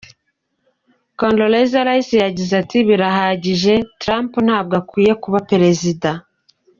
Condoleezza Rice yagize ati “Birahagije! Trump ntabwo akwiye kuba Perezida.